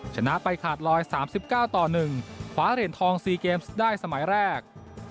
ชนะไปขาดลอย๓๙ต่อ๑ขวาเหรียญทอง๔เกมส์ได้สมัยแรก